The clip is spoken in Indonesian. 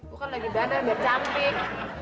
lo kan lagi dana gak cantik